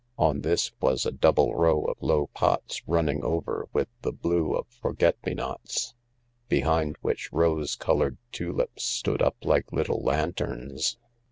On this was a double row of low pots running over with the blue of forget me nots, behind which rose coloured tulips stood up like little lanterns.